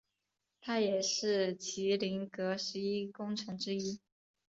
他也是麒麟阁十一功臣之一。